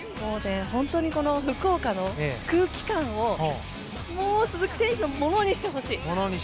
本当に福岡の空気感を鈴木選手のものにしてほしい。